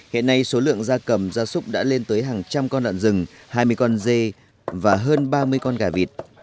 hiện nay số lượng gia cầm gia súc đã lên tới hàng trăm con đoạn rừng hai mươi con dê và hơn ba mươi con gà vịt